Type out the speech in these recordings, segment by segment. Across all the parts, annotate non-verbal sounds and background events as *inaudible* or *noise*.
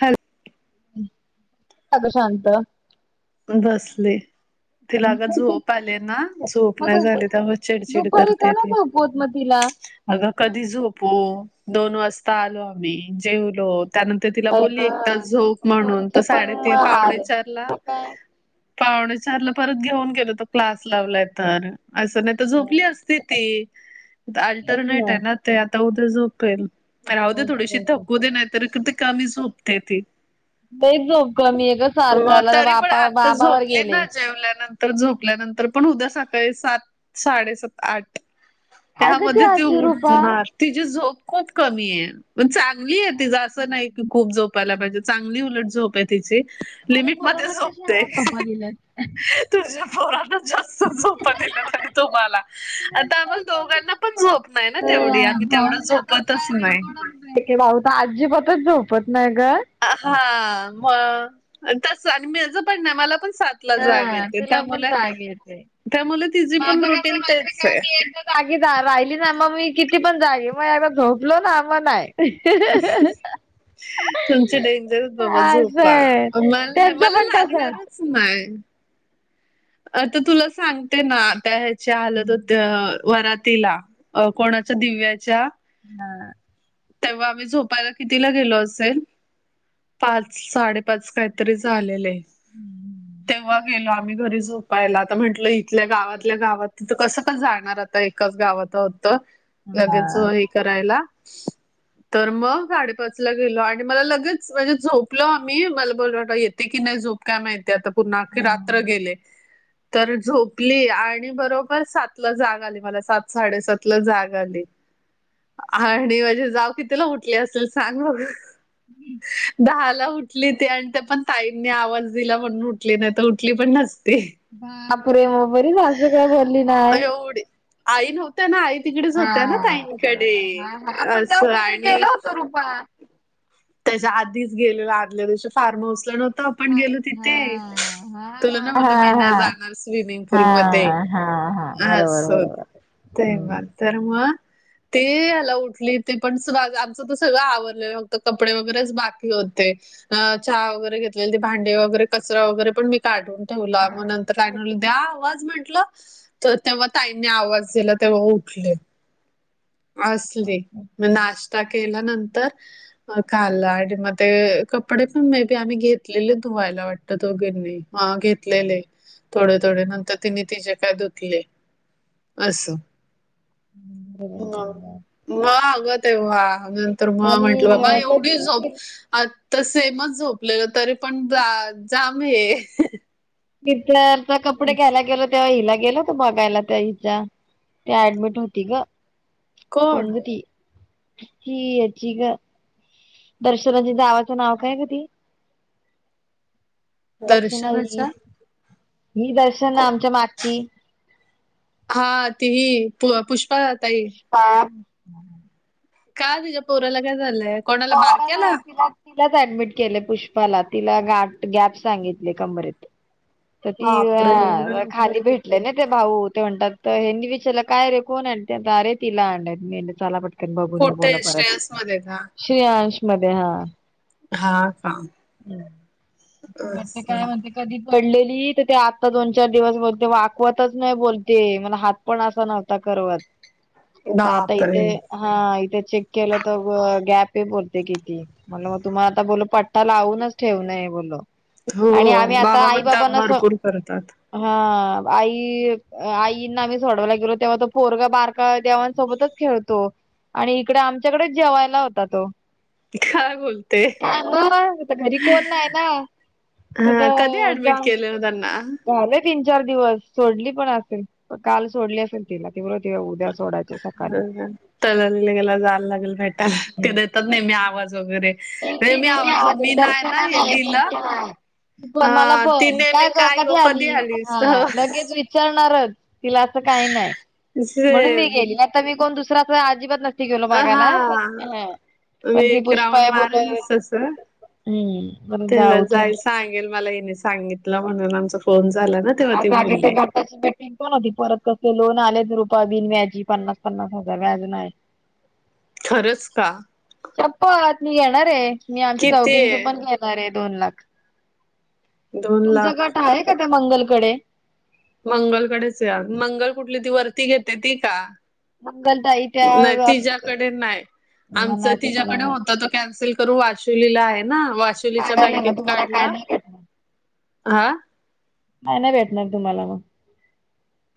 Hello! अगं शांत? बसले. तिला अगं झोप आलीये ना, झोप मग नाही दुप झाली त्यामुळं चिडचिड दुपारी का करते नाही ती. झोपवत मग तिला अगं कधी झोपवू? दोन वाजता आलो आम्ही, जेवलो त्यानंतर तर तिला नाही बोलली एक तास गं झोप म्हणून, तर पोरीचे पण साडेतीन पावणे हाल चारला मग काय? पावणे चारला परत घेऊन गेलो तो क्लास लावलाय तर. असं नाही तर झोपली असती ती, अल्टरनेट आहेत ना. ते आता उद्या झोपेल, राहुदे थोडीशी थकू दे नाही तर किती कमी झोपते ती‌. लईच झोप कमी आहे गं मग सार्थाला तरी पण बापा आता बाबावर झोपली गेलेय. ना जेवल्यानंतर झोपल्यानंतर पण उद्या सकाळी सात, साडेसात आठ अगं त्यामध्ये ती अशी रुपा उठणार‌‌. तिची झोप खूप कमी आहे, पण चांगली आहे तिज असं नाही की खूप झोपायला पाहिजे. चांगली उलट झोप आहे तिची, लिमिट मध्ये झोपते. तुझ्या पोरांना जास्त झोपा दिल्या त्यांनी तुम्हाला. आता आम्हाला दोघांना पण झोप नाही ना तेवढी, आम्ही तेवढं झोपतच नाही. रेकॉर्डच ते काय भाऊ तर आजीबातच झोपत नाही गं. हां मग, आणि तसं आणि माझं पण ना मला पण सात ला जाग हा येते तिला पण त्यामुले, जाग येते. त्यामुले तिची माझं पण कसं रुटीन माहिती तेच का आहे. मी एकदा जागी जा राहिली ना मग मी किती पण जागेन, मग एकदा झोपलो ना मग नाही. *inaudible* तुमचे डेंजर आहेत बाबा झोपा, असंय मला नाही त्यांचं मला पण तसच. लागणारच नाही. आता तुला सांगते ना त्या ह्याच्या हलद होत्या वरातीला अ कोणाच्या दिव्याच्या? हां. तेव्हा आम्ही झोपायला कितीला गेलो असेल? पाच साडे पाच काहीतरी झालेले, तेव्हा गेलो आम्ही घरी झो झोपायला आता म्हटलं इथल्या गावातल्या गावात, तिथं कसं पण जाणार आता एकाच गावात आहोत तर, लगेच हे करायला. तर मग साडेपाचला गेलो आणि मला लगेच म्हणजे झोपलो आम्ही, मला बोल येतेय की नाही झोप काय माहिती आता पूर्ण अख्खी रात्र गेली. तर झोपली आणि बरोबर सातला जाग आली मला, सात साडेसातला जाग आली. *inaudible* आणि माझी जाऊ कितीला उठली असेल सांग बघू? हम्म. दहाला उठली ती आणि त्या पण ताईंनी आवाज दिला म्हणून उठली नाही तर उठली पण नस ती. बापरे! मग बरी सासू बोलली नाही. एवढी आई नव्हत्या ना आई तिकडेच होत्या ना हा बरोबर ताईंकडे असं आणि कृपा त्याच्या आधीच गेलेलो आदल्या दिवशी फार्म हाऊसला नव्हतो हां हां ना हां म्हणलं हां मी नाही हां जाणार स्विमिंग पूल मध्ये हां हां हां हां. बरोबर बरोबर. हम्म. तेव्हाच तर मग ते हयाला उठले ते पण आमचं तर सगळं आवरलेल. कपडे वगैरेच बाकी होते चहा वगैरे घेतलेले ते भांडे वगैरे कचरा वगैरे पण मी काढून ठेवला मग नंतर द्या आवाज म्हंटलं तर तेव्हा ताईंने आवाज दिला तेव्हा उठले. असली मग नाश्ता केला नंतर खाल्लं आणि मग ते कपडे पण मे बी आम्ही घेतलेले धुवायला वाटतं. त्या दोघींनी हा घेतलेले थोडे थोडे नंतर तिने तिचे काय धुतले असं मग मग अगं तेव्हा तर मग आम्ही म्हंटलं बाबा कधी एवढी झोप बघितलं. तर सेमच झोपलेलो तरी पण जा जाम हे तिथनं कपडे घ्यायला गेलो तर तेव्हा हिला गेला होतो बघायला त्या हिच्या ते ऍडमिट होती ग. कोण गं ती ती हयाची गं दर्शनाच्या जावंच नाव काय ग ती? दर्शना दर्शनाच्या ही दर्शना कोण? आमच्या मागची हा ति ही पुष्पा ताई. पुष्पा का तिच्या पोराला काय झालंय? कोणाला पोरांला नाही बारक्याला? तिला तिलाच ऍडमिट केले पुष्पाला तिला गाठ गॅप सांगितले कंमरेत तर ती बापरे एवढं हा खाली लवकर. भेटली म्हंटले ना ते भाऊ ते म्हणतात ह्यांनी विचारलं काय रे कोण आहेत त्या अरे तिला आणलयं मी म्हणली चला कोठे श्रीयांश मध्ये का? श्रीयांश मध्ये हा. हा का? हा ते काय असं. म्हणते? कधी पडलेली तर ते आत्ता दोन चार दिवस बोलते वाकवतच नाही बोलते मला हात कोणाचा नव्हता करवत तर आता इथे बापरे हा इथे चेक केलं तर गॅप आहे बोलते किती म्हणलं मग तुम्हाला आता बोल पटा लावूनच ठेवण आहे बोलो हो बाबा पण त्या स भरपूर करतात. हा आई आईंना आम्ही सोडवायला गेलो तेव्हा तो पोरगा बारका देवांसोबतच खेळतो. आणि इकडे आमच्याकडेच जेवायला होता तो. काय बोलते सांग आता घरी कोण नाही ना. तर हा कधी ऍडमिट जाम केले त्यांना? झाले तीन चार दिवस सोडली पण असेल काल सोडली असेल. तिला उद्या सोडायच सकाळी गेला जायला लागेल भ *unintelligible* त्या देतात नेहमी आवाज वगैरे हिंदी नेहमी आवाज आवडते मी नाही ना दर्शनाला हे आहे पण दिलं त्या पण मला हा ती पण नेहमी काय ग कधी आली आलीस? हा लगेच विचारणारच, तिला असं काही नाही, म्हणून मी गेली, नाहीतर मी कोण दुसरा अजिबात नसतं नसतं गेलो हा बघायला. हा मी पण ती एक पुष्पा राऊंड आहे बोलत मारालच तसं हम्म बरं तेव्हा जाऊ जाई चला सांगेल मला हीने सांगितलं म्हणून, आमचा फोन झाला ना. तेव्हा ती आता आणि ते बोलली. बघ *unintelligible* पण होती परत कसं लोन आलेत रुपये बिन व्याजी पन्नास पन्नास हजार व्याज नाय. खरंच का? शप्पत मी येणार आहे, मी आमच्या किती चौघींच पण आहे घे णार आहे दोन लाख, दोन तुमचा लाख गट आहे का त्या मंगलकडे? मंगलकडेच या मंगल कुठली ती वरती घेते ती का? मंगलताई त्या नाही असं क तिज्याकडे नाय आमचं म्हणाय तुम्हाला तिज्याकडे होतं ते कॅन्सल तर वाशुलीला आहे ना, वाशुलीच्या सांगायला ना बँकेत तुम्हाला काय काढला नाही भेटणार. हा. काय नाही भेटणार तुम्हाला मग.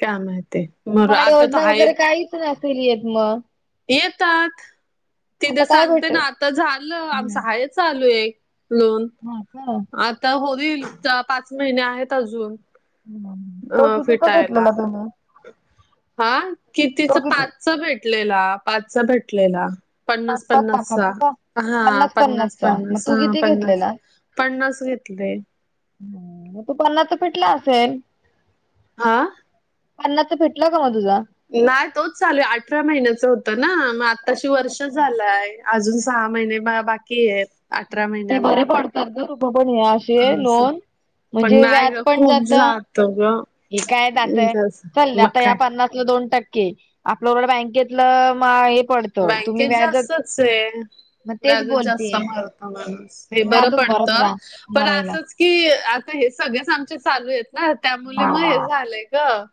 काय माहिते मरू आता तर आहेत. *unintelligible* असील येत मग. येतात आता तिथे काय सांगते भेटल? ना आता झालं आमचं आहे चालू आहे लोन. हा का. आता होईल, चार पाच महिने आहेत अजून तो अ कितीचा फिटायला. घेतलेला तुम्ही? हा, तो कितिचं किती पाचचा भेटलेला, पाचचा भेटलेला. पाच पन्नास पाच पन्नासचा, लाखाचा का? हा पन्नास पन्नासचा मग पन्नास तू हा किती पन्नास घेतलेला? पन्नास घेतले. हा मग तो पन्नास तर फिटला असेल. हा. पन्नास चा फेटला का म तुझा? नाही तोच चालू आहे, अठरा महिन्याच होतं ना, मग आत्ताशी वर्ष झालंय अजून सहा महिने बा बाकी आहेत. अठरा ते बरे महिन्याला पडतात गं तु पण यास चे अस लोन, म्हणजे व्याज पण जाता त गं हे काय दातं चल, आता या पन्नास ला दोन टक्के आपल्याकडं बँकेतलं म हे पडतं तुम्ही बँकेत व्याजच जास्तच आहे. मग तेच व्याज बोलते जास्त मारतो माणूस, हे बरं व्याजच भरत पडतं राहा पण मरायला असच कि आता हे सगळेच आमच्या चालू आहेत ना, त्यामुळे मग हे झालंय गं.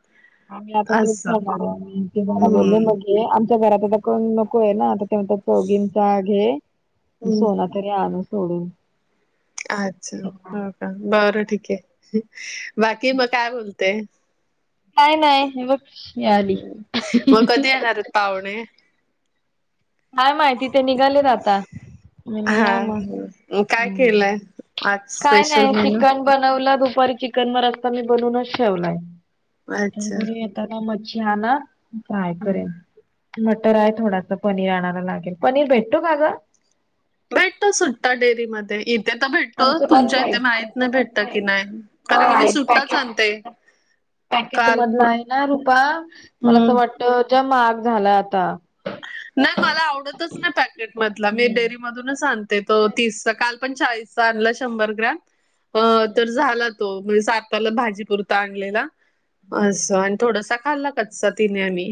आम्ही आता तेच करणार आहे आणि ते मला बोलले हम्म मध्ये आमच्या घरात आता कोण नको आहे ना, आता त्यांचा चौघींचा घे हे हम्म सोना तरी आणू सोडून. अच्छा हो का बरं ठीक आहे, बाकी मग काय बोलते? काय नाही ही बघ *unintelligible* आली. रतावणे. काय माहिती ते निघालेत आता. मीने या मग हा काय हम्म केलंय आज काय स्पेशल नाही, मेनू चिकन बनवला दुपारी चिकन म रस्ता मी बनूनच ठेवलाय. अच्छा त्याना मच्छी आणा फ्राय हम्म. करेन. मटर आहे थोडासा पनीर आणायला लागेल, पनीर भेटतो का गं? भेटतो सुट्टा डेयरी मध्ये इ थे तर भेटतो आमचं बंद तुमच्या इथे आहे माहीत नाही आमचं भेटत बंद की आहे नाही, कारण की मी नाही सुट्टाच पॅकेट आणते. पॅकेट काल प मधला आहे ना रुपा, मला असं हम्म. वाटतं, जाम महाग झाला आता. नाही मला आवडतच नाही पॅकेटमधला, मी डेअरी मधूनच आणते, तो तीसचा काल पण चाळीस च आणला शंभर ग्रॅम अ तर झाला तो म्हणजे साताला भाजीपुरता आणलेला. आसं आणि थोडासा खाल्ला कच्चा तिने आणि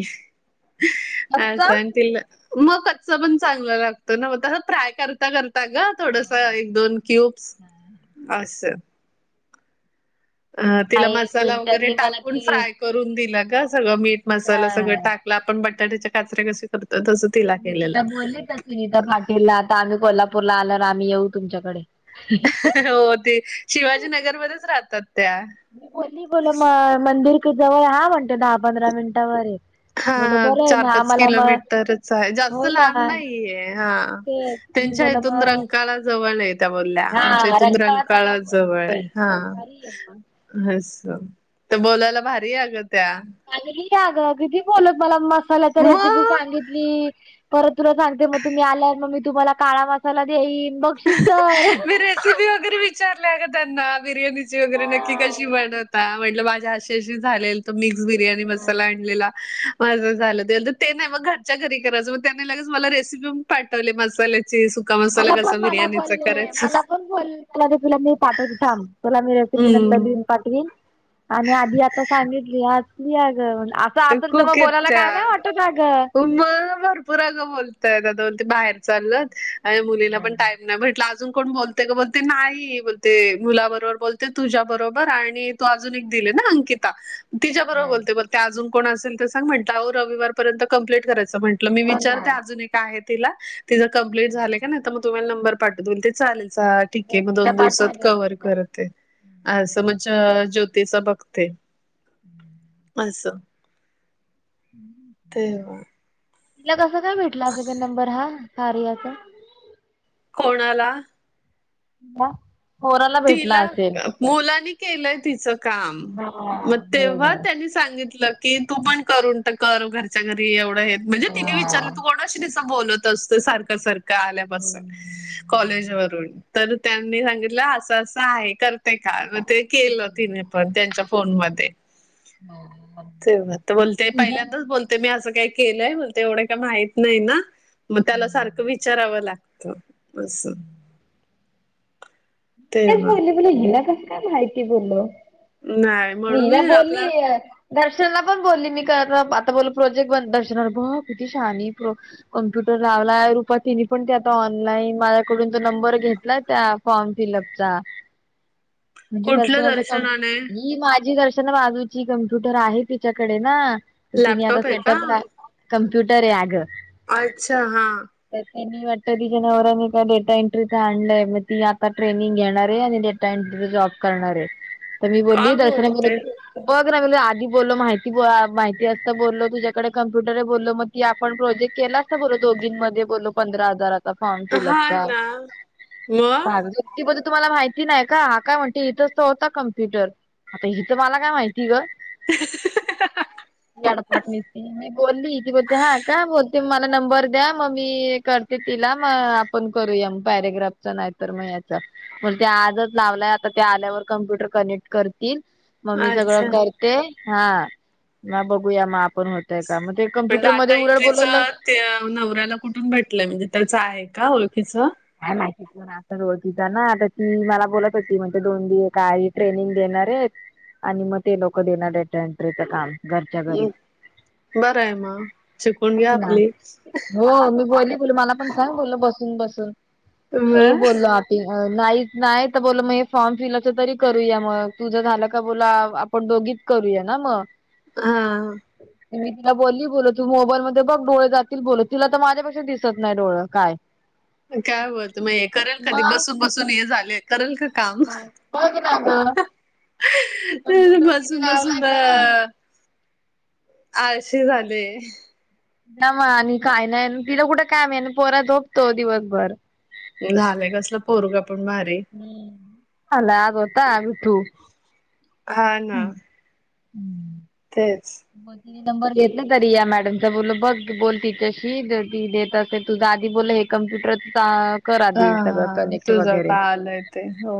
कच्चा असं. तील मग कच्च पण चागलं लागत ना ओ, तस फ्राय करता कर ता बघा थोडंसं एक दोन क्यूब्स असं. अ तिला नाही मसाला वगैरे सुलट्यांनी मला टाकून ती फ्राय करून दिला का सगळं मीठ, त्या मसाला सगळं टाक ल, आपण बटाट्याच्या काचऱ्या कसं करतो तसं? मी तिला बोलले सुनीता पाटीलला आता आम्ही कोल्हापूरला आल्यावर आम्ही येऊ तुमच्याकडे. *inaudible* हो ते शिवाजीनगरमध्येच राहतात त्या. मी बोल्ली म मंदिर क जवळ हाय म्हने दहा पंधरा मिनिटावर हा बोल बरं आहे चार मग पाच आम्हाला मग किलोमीटरच हाय, जास्त हो ना लांब नाही ये हा. ते मी तेंच्या बोल इथून मग रंकाळा जवळन हायेत. त्या बोलल्या आमच्या हा इथून रंकाळा तलाव जवळ बाई हाय हां. भारी आहे मग हस तर बोलायला भारी हाय ग त्या. आग किती आगाव? किती बोलत मला मसाल्याच्या रेसिपी मग सांगितली परत तुला सांगते मग तुम्ही आल्या मग मी तुम्हाला काळा मसाला देईन बघशील तर मी रेसिपी वगैरे विचारल्या आग त्यांना बिर्याणीची वगैरे नक्की कशी हा. बनवता? म्हटलं माझ्या आशेशी झालेल त मिक्स बिर्याणी मसाला आणलेला. माझं झालं ते तर ते नाही मग घरच्या घरी करायचं, मग त्याने लगेच मला रेसिपी पण पाठवली मसाल्याची सुख का, मसाला मला कसा पण मला बिर्याणीचा बोलले करायचा? मला पण तुला मी पाठवतो थांब, तुला मी रेसिपी नंतर हम्म. लिहिन. पातेली आणि आधी आता सांगितली हासली आग. जात असेल तर मग बोलायला काय नाही वाटत अगं. दोन मग भरपूर अगं बोल तात झय दोन ते बाहेर चाललत आणि मुलीं हम्म पण टाईम. नाही म्हटलं अजून कोण बोलते का बोलते नाही, बोलते मुला बरोबर बोलते तुझ्या बरोबर आणि दा तो अजून एक दिले ना अंकिता. तिच्या बरोबर हम्म बोलते बर ते अजून कोण असेल तर सांग म्हटलं अहो रविवारपर्यंत कंप्लिट करायचं म्हटलं. म्हटलं मी हो ना विचारते अजुन एक आहे तिला, तिचं कॅप्लिट झालय काय नाही तर तुम्हांला नंबर पाठवं ते चालेल ठीक ये, मग ज्योतीला दोन दिवसात पाठवली होती कव्हर ना करते अ समज ज्योतिष बघते. *inaudible* आसं. हं *inaudible* ते वा तिला कसं काय भेटला असलं ग नंबर हा कार्याचा? कोणाला? म. तिला मुलानी केलंय तिचं काम, हा म तेव्हा त्यांनीच सांगितलं की, तू पण करून ट टाक कर घरच्या घरी एवढं म्हणजे तिनी विचारलं तू कोणाशी डिस बोलत असतय सारखं सारखं आल्यापासून कॉलेज वरून, तर त्यांनी सांगितलं आसं आसं आहे करते का? ते केलं तिने पण त्यांच्या फोन मध्ये ठेवा तर बोलते हिला पहिल्यांदाच बोल तूमी असं काही केलंय म्हणतय, तेवढं काय माहित नाही ना. मग त्याला सारखं विचारावं लागतं, असं तेच तेव्हा. बोलली बोला, हिला कसं काय माहिती बोल्लो. नाही म्हणून मीरा मी बोलली आपला दर्शनाला पण बोलली, मी आता बोल प्रोजेक्ट बन दर्शनावर बघ किती शहाणी बघ कम्प्युटर लावलाय, रुपा तिने पण ते आता ऑनलाईन माझ्याकडून तो नंबर घेतलाय त्या कॉन्टी लगचा म्हणजे कुठलं दर्शनाचा काम, दर्शनाने मी माझी दर्शना बाजूची कम्प्युटर आहे तिच्याकडे ना. तर तिने आता लॅपटॉप आहे का? सेटअप, कम्प्युटराय अग. अच्छा, हा. तर त्यांनी वाटत तिच्या नवऱ्यानी का डेटा एंट्रीच आणलंय. मग ती ट्रेनिंग घेणार आहे. आणि डेटा एंट्री जॉब करणार आहे. तर मी का बोलली दर्शना बोलते बघ लागल आधी बोलल माहिती, माहिती असता बोललो तुझ्याकडे कम्प्युटर आहे. बोललो मग कि आपण प्रोजेक्ट केला असतो बोल्लो, दोघीं मध्ये बोलो पंधरा हजाराचा, फॉर्म हा फिलअपचा. ना मग. मग ती बोलली, तुम्हाला माहिती नाही का काय म्हणते, इथंच तर होता कम्प्युटर. आता हि तर मला काय माहिती ग. गडपाटणी, मी बोलली, ती बोलते हा का बोलते मग नंबर द्या मग मी करते, तिला मग आपण करूया, पॅरग्राफच नाही मग याच. मग ते आजच लावलाय आता ते आल्यावर, कम्प्युटर कनेक्ट करतील मग मी सगळं अच्छा करते, हा मग बघूया मग आपण होत य का, मग ते पण कम्प्युटर डाटा मध्ये उरड एंट्रीच बोललेल ते नवऱ्याला कुठून भेटलंय, म्हणजे त्याचं आहे का ओळखीच. हाय माहितीच. ता रोजीचा ना आता ती मला बोलत होती, म्हणजे दोन दि काही ट्रेनिंग देणार आहे. आणि मग ते लोक देणार, डेटा एंट्रिच काम. घरच्या घरी बर आहे मग. शिकून घ्या बघ ना आपली. हो मी बोलली. बोल मला पण काय बोलल बसून बसून तर हो मग बोललो. नाही, नाही तर बोला मग फॉर्म हे फिलअपच तरी करूया मग. तुझं झालं का बोला आपण दोघीत करूया ना मग. हां. मी तिला बोलली बोल, तू मोबाईल मध्ये बघ डोळे जातील. बोल तिला तर माझ्यापेक्षा दिसत नाही डोळं काय काय बोलत, मग हे करेल कधी मग बसून बसून हे झालेत करेल का काम. काय बघ ना ग कम्प्युटर किती बसून, बसून लावलाय खरा आळशी झालेय. ना मग. आणि काय नाही तिला कुठं कामय, नी पोरा झोपतो दिवसभर. झालंय कसला पोरगा पण भारी. हम्. आलाय अगं काळा विठू. हा, ना. हम्म हम्म. तेच बघ तिने नंबर घेतला, तरी या मॅडमचा बोल बघ बोल, तिच्याशी ती देत असते तुझ आधी बोल कंप्युटरचा हा हा, तुझ का आलंय ते. हो.